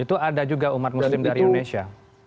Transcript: itu ada juga umat muslim dari indonesia